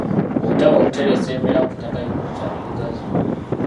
Olutalo okutereeza embeera ku ttaka lino lukyali lugazi.